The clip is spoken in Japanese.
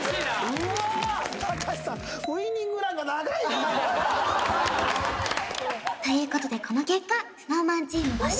隆さんということでこの結果ＳｎｏｗＭａｎチーム５勝